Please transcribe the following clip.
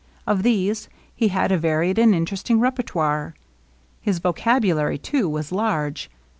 Of these he had a varied and interest ing repertoire. His vocabulary, too, was large.